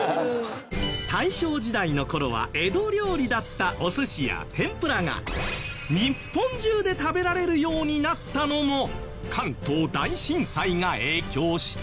大正時代の頃は江戸料理だったお寿司や天ぷらが日本中で食べられるようになったのも関東大震災が影響していた？